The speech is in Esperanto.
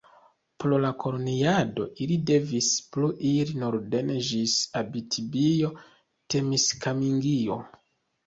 Pro la koloniado ili devis plu iri norden ĝis Abitibio-Temiskamingio.